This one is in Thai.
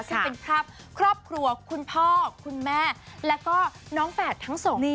ซึ่งเป็นภาพครอบครัวคุณพ่อคุณแม่แล้วก็น้องแฝดทั้งสอง